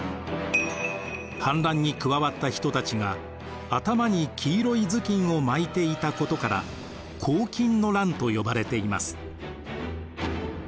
反乱に加わった人たちが頭に黄色い頭巾を巻いていたことから黄巾の乱と呼ばれています。